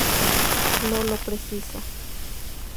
No lo precisa.